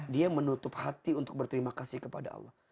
dia menutup hati untuk berterima kasih kepada allah